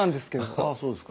ああそうですか。